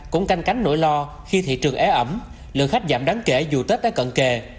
cũng canh cánh nỗi lo khi thị trường ế ẩm lượng khách giảm đáng kể dù tết đã cận kề